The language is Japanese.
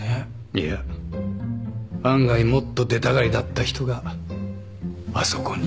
いや案外もっと出たがりだった人があそこに。